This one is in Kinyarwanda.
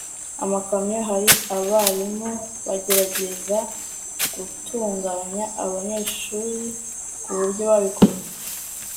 amakamyo. hari abarimu bagerageza gutunganya abanyeshuri kuburyo babikoze